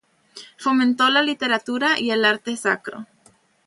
Fomentó la literatura y el arte sacro.